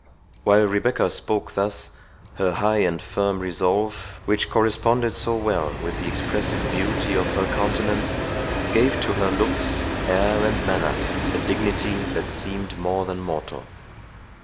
While Rebecca spoke thus, her high and firm resolve, which corresponded so well with the expressive beauty of her countenance, gave to her looks, air, and manner, a dignity that seemed more than mortal.